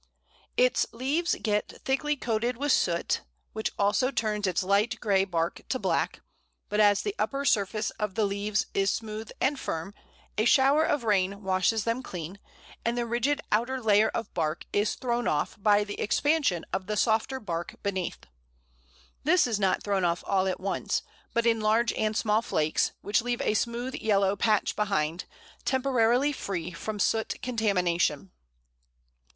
Its leaves get thickly coated with soot, which also turns its light grey bark to black; but as the upper surface of the leaves is smooth and firm, a shower of rain washes them clean, and the rigid outer layer of bark is thrown off by the expansion of the softer bark beneath. This is not thrown off all at once, but in large and small flakes, which leave a smooth yellow patch behind, temporarily free from soot contamination.